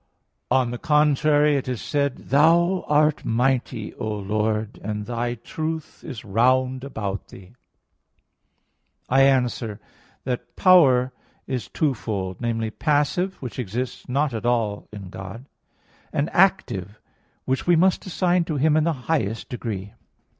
On the contrary, It is said: "Thou art mighty, O Lord, and Thy truth is round about Thee" (Ps. 88:9). I answer that, Power is twofold namely, passive, which exists not at all in God; and active, which we must assign to Him in the highest degree.